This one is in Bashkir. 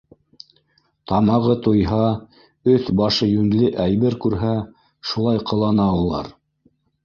Тамағы туйһа, өҫ-башы йүнле әйбер күрһә, шулай ҡылана улар.